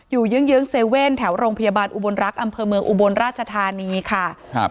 เยื้องเยื้องเซเว่นแถวโรงพยาบาลอุบลรักษ์อำเภอเมืองอุบลราชธานีค่ะครับ